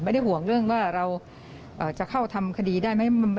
ไม่ได้ห่วงเรื่องว่าเราจะเข้าทำคดีได้ไหม